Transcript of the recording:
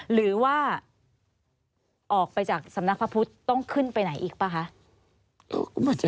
หรือว่าออกไปจากสำนักพระพุทธต้องขึ้นไปไหนอีกป่ะคะ